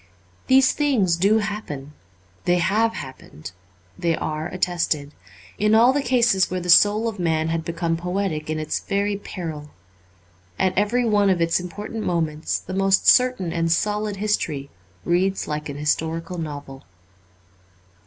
These things do happen ; they have happened ; they are attested, in all the cases where the soul of man had become poetic in its very peril. At every one of its important moments the most certain and solid history reads like an historical novel.